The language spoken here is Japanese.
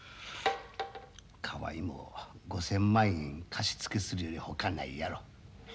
河合も５，０００万円貸し付けするほかないやろ。